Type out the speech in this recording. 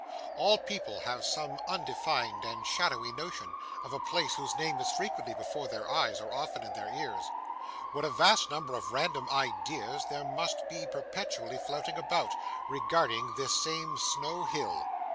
All people have some undefined and shadowy notion of a place whose name is frequently before their eyes, or often in their ears. What a vast number of random ideas there must be perpetually floating about, regarding this same Snow Hill.